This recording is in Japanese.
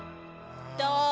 どう？